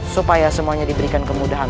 supaya semuanya diberikan kemudahan